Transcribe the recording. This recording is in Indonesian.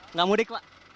nggak mudik pak